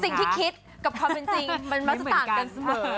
สิ่งที่คิดกับความเป็นจริงมันจะต่างกันเสมอ